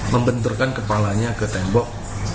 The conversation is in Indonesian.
membenturkan kepalanya ke tembok